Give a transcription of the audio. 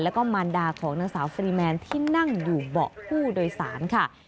แล้วก็มารดาของนางสาวฟรีแมนที่นั่งอยู่เบาะผู้โดยสารค่ะ